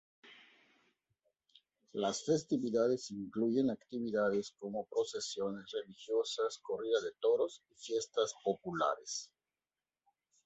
Las festividades incluyen actividades como procesiones religiosas, corridas de toros y fiestas populares.